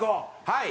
はい。